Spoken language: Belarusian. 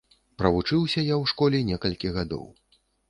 Правучыўся я ў школе некалькі гадоў.